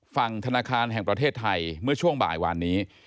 ฝั่งธนาคารแห่งประเทศไทยเมื่อช่วงบ่ายวานนี้